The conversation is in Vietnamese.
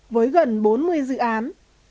với gần bốn mươi dự án